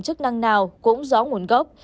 chức năng nào cũng gió nguồn gốc